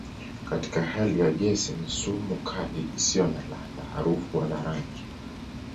Katika hali ya gesi ni sumu kali isiyo na ladha, harufu wala rangi.